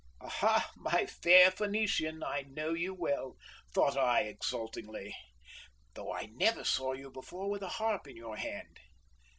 "Aha, my fair Phoenician, I know you well!" thought I exultingly, "though I never saw you before with a harp in your hand.